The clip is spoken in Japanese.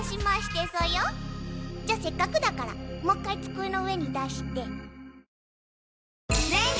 じゃせっかくだからもう一回机の上に出して。